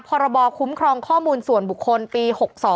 พรบคุ้มครองข้อมูลส่วนบุคคลปี๖๒